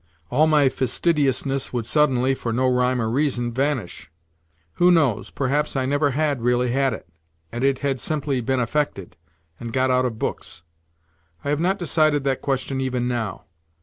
All my fastidiousness would suddenly, for no rhyme or reason, vanish. Who knows, perhaps I never had really had it, and it had simply been affected, and got out of books. I have not decided that question even now.